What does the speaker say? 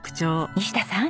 西田さん